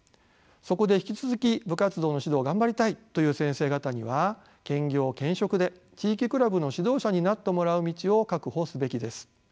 そこで引き続き部活動の指導を頑張りたいという先生方には兼業兼職で地域クラブの指導者になってもらう道を確保すべきです。